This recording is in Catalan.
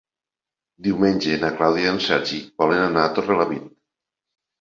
Diumenge na Clàudia i en Sergi volen anar a Torrelavit.